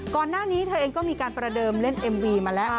ก่อนหน้านี้เธอเองก็มีการประเดิมเล่นเอ็มวีมาแล้ว